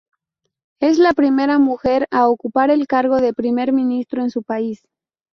Es la primera mujer a ocupar el cargo de primer ministro en su país.